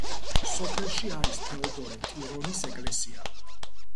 სოფელში არის თეოდორე ტირონის ეკლესია.